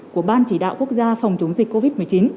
của ban chỉ đạo quốc gia phòng chống dịch covid một mươi chín